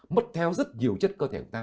mất theo rất nhiều chất cơ thể của ta